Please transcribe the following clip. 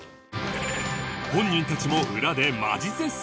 本人たちも裏でマジ絶賛